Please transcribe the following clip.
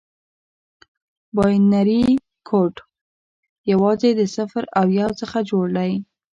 بایونري کوډ یوازې د صفر او یو څخه جوړ دی.